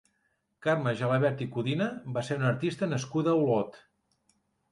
Carme Gelabert i Codina va ser una artista nascuda a Olot.